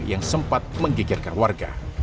yang sempat menggegirkan warga